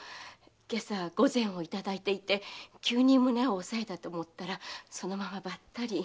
今朝御膳をいただいていて急に胸を押さえたと思ったらそのままバッタリ。